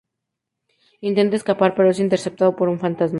Intenta escapar, pero es interceptado por un fantasma.